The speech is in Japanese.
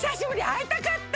あいたかった！